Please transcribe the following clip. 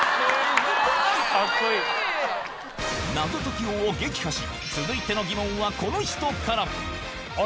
謎解き王を撃破し続いての疑問はこの人からあ！